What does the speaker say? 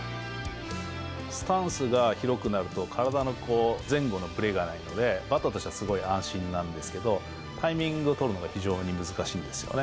スタンスが広くなると体の前後のぶれがないので、バッターとしてはすごい安心なんですけど、タイミングを取るのが非常に難しいんですよね。